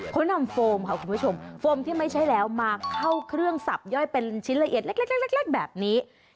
เขานำโฟมค่ะคุณผู้ชมโฟมที่ไม่ใช่แล้วมาเข้าเครื่องสับย่อยเป็นชิ้นละเอียดเล็กแบบนี้